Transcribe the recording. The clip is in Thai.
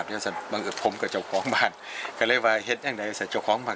เพราะฉะนั้นเขาบอกว่า